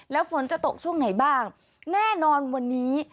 แล้วฝนจะตกช่วงไหนบ้างแน่นอนวันนี้